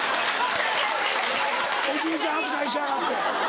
おじいちゃん扱いしやがって。